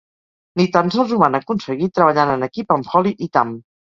Ni tan sols ho van aconseguir treballant en equip amb Holly i Tam.